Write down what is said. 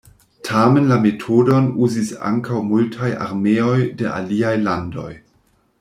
Tamen la metodon uzis ankaŭ multaj armeoj de aliaj landoj.